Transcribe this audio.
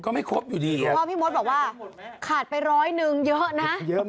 พ่อพี่มศบอกว่าขาดไปร้อยหนึ่งเยอะนะ